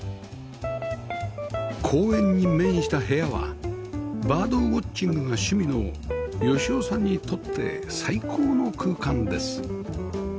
公園に面した部屋はバードウォッチングが趣味の芳男さんにとって最高の空間です